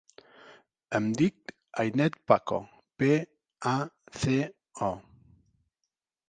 Em dic Ainet Paco: pe, a, ce, o.